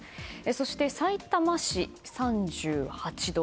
そして、さいたま市３８度。